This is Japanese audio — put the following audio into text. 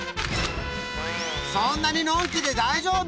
そんなにのんきで大丈夫？